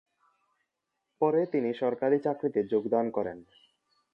পরে তিনি সরকারি চাকরিতে যোগদান করেন।